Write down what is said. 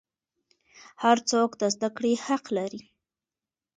هر څوک د زده کړې حق لري.